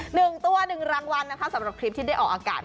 หนึ่งตัวหนึ่งรางวัลนะคะสำหรับคลิปที่ได้ออกอากาศ